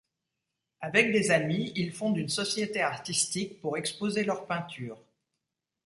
Avec des amis il fonde une société artistique pour exposer leurs peintures.